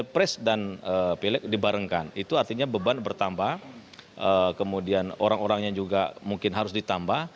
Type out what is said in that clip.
pres dan pilek dibarengkan itu artinya beban bertambah kemudian orang orangnya juga mungkin harus ditambah